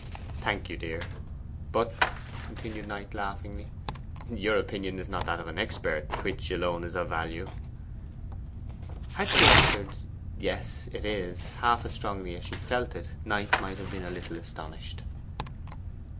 'Thank you, dear. But,' continued Knight laughingly, 'your opinion is not that of an expert, which alone is of value.' Had she answered, 'Yes, it is,' half as strongly as she felt it, Knight might have been a little astonished.